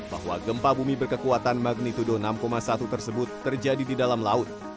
bahwa gempa bumi berkekuatan magnitudo enam satu tersebut terjadi di dalam laut